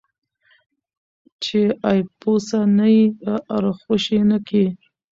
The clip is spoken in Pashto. چې اېپوسه نه یې ارخوشي نه کي.